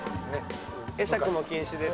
会釈も禁止です。